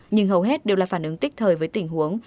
nhưng hầu hết đều là phản ứng tích thời với tình huống